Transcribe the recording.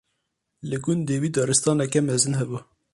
Li gundê wî daristaneke mezin hebû.